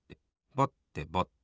ぼててぼってて。